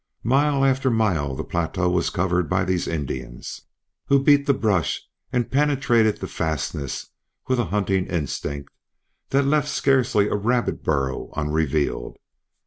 Mile after mile the plateau was covered by these Indians, who beat the brush and penetrated the fastnesses with a hunting instinct that left scarcely a rabbit burrow unrevealed.